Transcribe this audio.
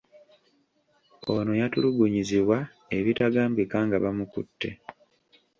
Ono yatulugunyizibwa ebitagambika nga bamukute.